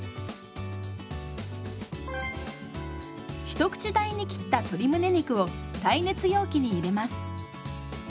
ひと口大に切った鶏むね肉を耐熱容器に入れます。